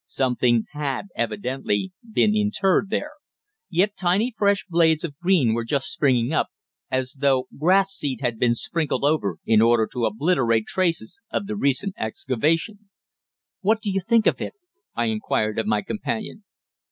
Something had evidently been interred there. Yet tiny fresh blades of green were just springing up, as though grass seed had been sprinkled over in order to obliterate traces of the recent excavation. "What do you think of it?" I inquired of my companion.